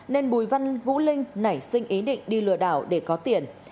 nên bùi văn vũ linh nảy sinh ý định đi lừa đảo để có tiền